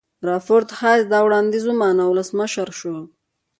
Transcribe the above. رادرفورد هایس دا وړاندیز ومانه او ولسمشر شو.